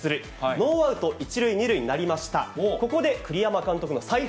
ノーアウト１塁２塁になりました、きますよ。